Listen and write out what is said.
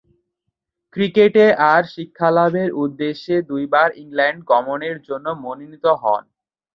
ক্রিকেটে আর শিক্ষালাভের উদ্দেশ্যে দুইবার ইংল্যান্ড গমনের জন্যে মনোনীত হন।